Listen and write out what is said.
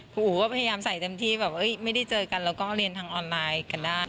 อู๋ก็พยายามใส่เต็มที่แบบไม่ได้เจอกันแล้วก็เรียนทางออนไลน์กันได้